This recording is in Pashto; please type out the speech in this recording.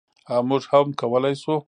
او موږ هم کولی شو.